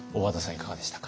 いかがでしたか？